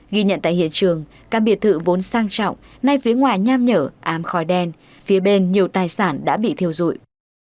ghi nhận tại hiện trường căn biệt thự vốn sang trọng ngay phía ngoài nham nhở ám khói đen phía bên nhiều tài sản đã bị thiêu dụi